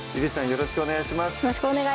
よろしくお願いします